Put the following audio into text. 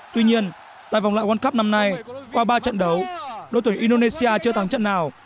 tuy nhiên tại vòng loại world cup năm nay qua ba trận đấu đội tuyển indonesia chưa thắng trận nào